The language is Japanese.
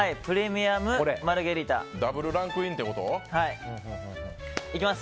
ダブルランクインってこと？